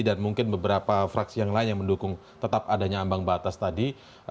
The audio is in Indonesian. dan mungkin beberapa fraksi yang lain yang mendukung tetap adanya ambang batas tadi